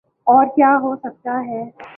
اورکیا ہوسکتاہے؟